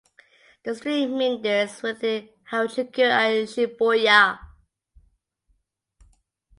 The street meanders within Harajuku and Shibuya.